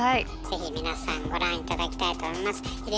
是非皆さんご覧頂きたいと思います。